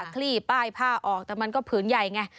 คลี่ป้ายผ้าออกแต่มันก็ผืนใหญ่ไง